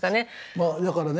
まあだからね